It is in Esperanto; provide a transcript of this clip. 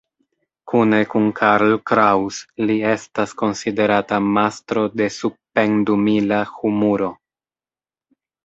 Kune kun Karl Kraus, li estas konsiderata mastro de "sub-pendumila humuro".